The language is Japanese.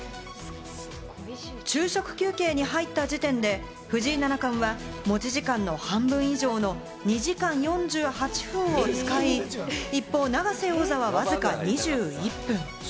昼食休憩に入った時点で藤井七冠は持ち時間の半分以上の２時間４８分を使い、一方、永瀬王座はわずか２１分。